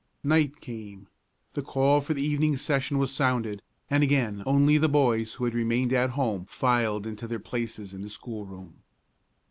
Night came; the call for the evening session was sounded, and again only the boys who had remained at home filed into their places in the schoolroom.